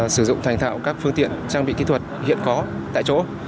sử dụng thành thạo các phương tiện trang bị kỹ thuật hiện có tại chỗ